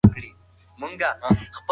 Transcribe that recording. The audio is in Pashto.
د موضوعات درک باید د دقت سره وسي.